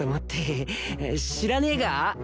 知らねえか？